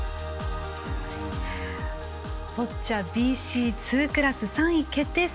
ボッチャＢＣ２クラス３位決定戦。